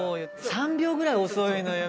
３秒ぐらい遅いのよ